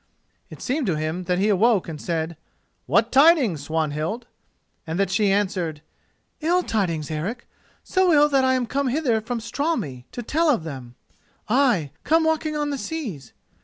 It seemed to him that he awoke and said "What tidings, Swanhild?" and that she answered: "Ill tidings, Eric—so ill that I am come hither from Straumey[*] to tell of them—ay, come walking on the seas.